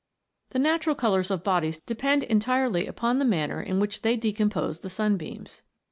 The natural colours of bodies depend entirely upon the manner in which they decompose the sunbeams.